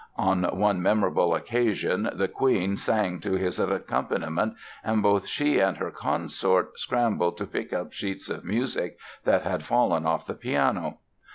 On one memorable occasion the Queen sang to his accompaniment and both she and her Consort scrambled to pick up sheets of music that had fallen off the piano.